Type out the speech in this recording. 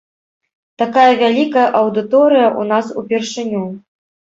Такая вялікая аўдыторыя ў нас упершыню.